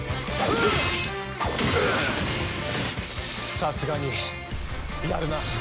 さすがにやるな。